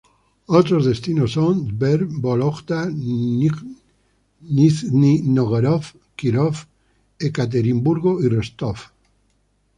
Otros destinos son: Tver, Vólogda, Nizhny Nóvgorod, Kírov, Ekaterimburgo y Rostov.